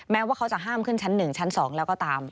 แม้ว่าเขาจะห้ามขึ้นชั้น๑ชั้น๒แล้วก็ตาม